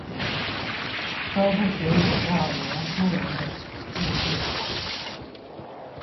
都不足以讓年輕人的處境變好